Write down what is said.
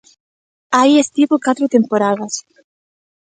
Aí estivo catro temporadas.